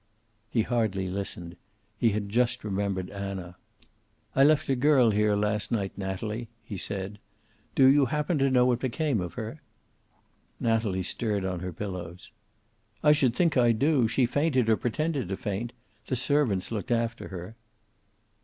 He hardly listened. He had just remembered Anna. "I left a girl here last night, Natalie," he said. "Do you happen to know what became of her?" Natalie stirred on her pillows. "I should think I do. She fainted, or pretended to faint. The servants looked after her."